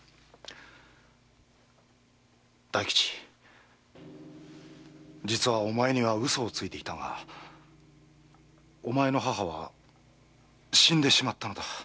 大吉実はお前には嘘をついていたがお前の母は死んでしまったのだ。